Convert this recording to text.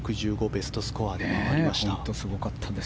ベストスコアで回りました。